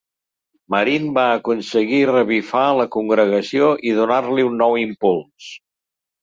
Marín va aconseguir revifar la congregació i donar-li un nou impuls.